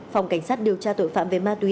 phòng cảnh sát điều tra tội phạm về ma túy